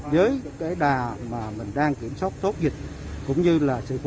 đây là bốn bệnh nhân đầu tiên của đà nẵng